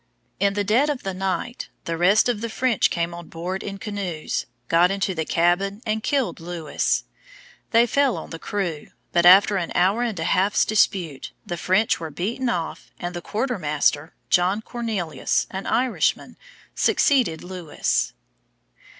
In the dead of the night, the rest of the French came on board in canoes, got into the cabin and killed Lewis. They fell on the crew; but, after an hour and a half's dispute, the French were beaten off, and the quarter master, John Cornelius, an Irishman, succeeded Lewis.